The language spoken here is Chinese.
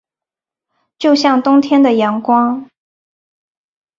就像冬天的阳光